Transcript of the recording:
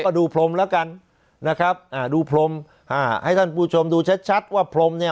ก็ดูพรมแล้วกันนะครับอ่าดูพรมอ่าให้ท่านผู้ชมดูชัดชัดว่าพรมเนี่ย